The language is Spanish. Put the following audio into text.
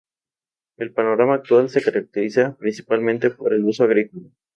El panorama actual se caracteriza principalmente por el uso agrícola.